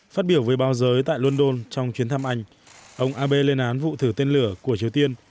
phát biểu với báo giới tại london trong chuyến thăm anh ông abe lên án vụ thử tên lửa của triều tiên